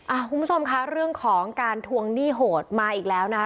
คุณผู้ชมคะเรื่องของการทวงหนี้โหดมาอีกแล้วนะคะ